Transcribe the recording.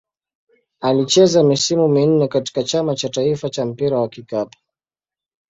Alicheza misimu minne katika Chama cha taifa cha mpira wa kikapu.